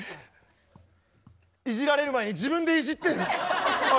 いじられる前に自分でいじってる。